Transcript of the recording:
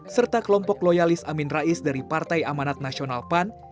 serta kelompok loyalis amin rais dari partai amanat nasional pan